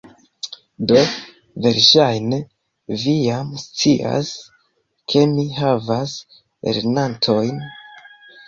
Do, verŝajne vi jam scias, ke mi havas lernantojn